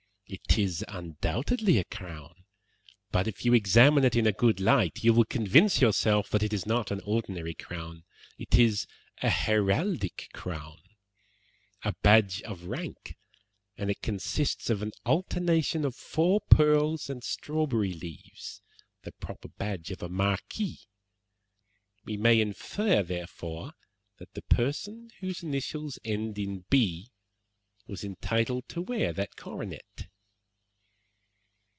"It is undoubtedly a crown; but if you examine it in a good light, you will convince yourself that it is not an ordinary crown. It is a heraldic crown a badge of rank, and it consists of an alternation of four pearls and strawberry leaves, the proper badge of a marquis. We may infer, therefore, that the person whose initials end in B was entitled to wear that coronet."